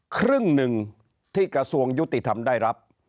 ครึ่งหนึ่งที่กระทรวงยุติธรรมได้รับ